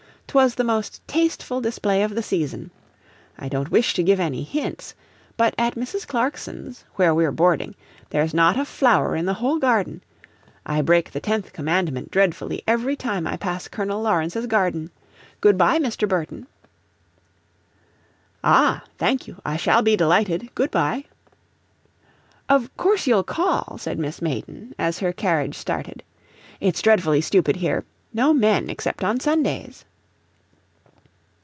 'Twas the most tasteful display of the season. I don't wish to give any hints, but at Mrs. Clarkson's, where we're boarding, there's not a flower in the whole garden. I break the Tenth Commandment dreadfully every time I pass Colonel Lawrence's garden. Good by, Mr. Burton." "Ah, thank you; I shall be delighted. Good by." "Of course you'll call," said Miss Mayton, as her carriage started, "it's dreadfully stupid here no men except on Sundays."